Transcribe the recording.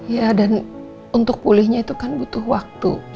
ya dan untuk pulihnya itu kan butuh waktu